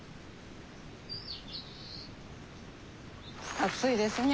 暑いですね。